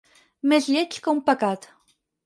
Més lleig que un pecat.